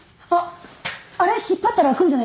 あれ引っ張ったら開くんじゃないですか？